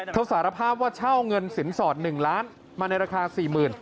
สารภาพว่าเช่าเงินสินสอด๑ล้านมาในราคา๔๐๐๐บาท